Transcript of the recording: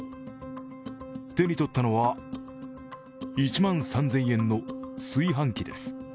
手に取ったのは、１万３０００円の炊飯器です。